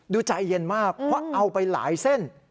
ใจเย็นมากเพราะเอาไปหลายเส้น